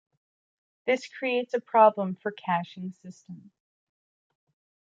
This creates a problem for caching systems.